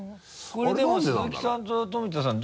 これでも鈴木さんと富田さん